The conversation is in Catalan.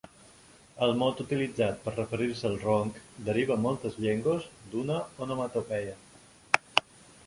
El mot utilitzat per referir-se al ronc deriva en moltes llengües d'una onomatopeia.